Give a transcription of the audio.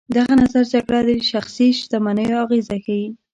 دغه نظر جګړه د شخصي شتمنیو اغېزه ښيي.